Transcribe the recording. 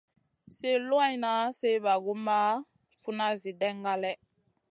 Sliw luwanŋa, sliw bagumʼma, funa, Zi ɗènŋa lèh.